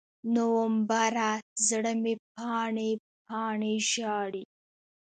نومبره، زړه مې پاڼې، پاڼې ژاړي